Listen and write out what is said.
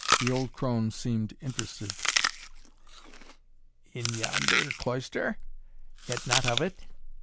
The old crone seemed interested. "In yonder cloister yet not of it?"